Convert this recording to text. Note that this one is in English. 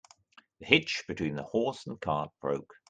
The hitch between the horse and cart broke.